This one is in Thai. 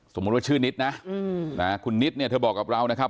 สมมุติว่าชื่อนิดนะคุณนิดเนี่ยเธอบอกกับเรานะครับ